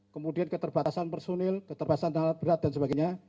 kemudian keterbatasan personil keterbatasan tanah berat dan sebagainya